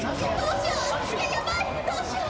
どうしよう！